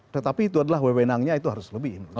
tetapi itu adalah wewenangnya itu harus lebih